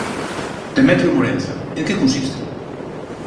Demetrio Morenza, en que consisten?